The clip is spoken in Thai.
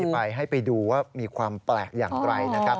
ป้ายชี้ไปให้ไปดูว่ามีความแปลกอย่างไกลนะครับ